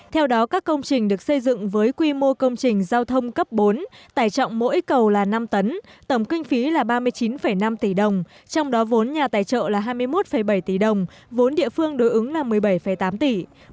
theo đó các công trình được xây dựng với quy mô công trình giao thông cấp bốn tài trọng mỗi cầu là năm tấn tổng kinh phí là ba mươi chín năm tỷ đồng trong đó vốn nhà tài trợ là hai mươi một bảy tỷ đồng vốn địa phương đối ứng là một mươi bảy tám tỷ